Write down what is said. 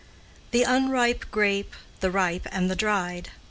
"The unripe grape, the ripe, and the dried.